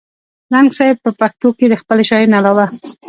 ننګ صېب پښتو کښې َد خپلې شاعرۍ نه علاوه